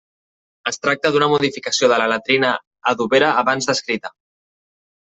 Es tracta d'una modificació de la latrina adobera abans descrita.